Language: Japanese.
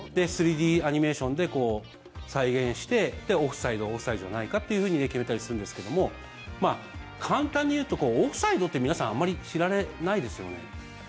３Ｄアニメーションで再現してオフサイドオフサイドじゃないかっていうふうに決めたりするんですけども簡単にいうと、オフサイドって皆さんあまり知らないですよね。